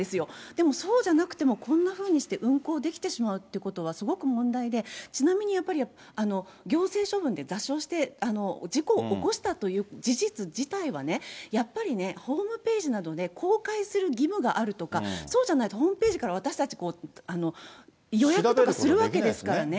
でもそうじゃなくてもこんなふうにして運航できてしまうということは、すごく問題で、ちなみにやはり、行政処分で座礁して事故を起こしたという事実自体はね、やっぱりね、ホームページなどで公開する義務があるとか、そうじゃないと、ホームページから私たち予約とかするわけですからね。